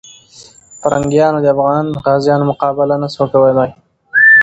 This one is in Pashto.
پرنګیانو د افغان غازیانو مقابله نه سوه کولای.